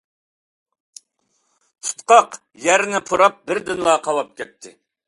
تۇتقاق يەرنى پۇراپ بىردىنلا قاۋاپ كەتتى.